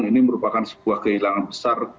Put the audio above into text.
ini merupakan sebuah kehilangan besar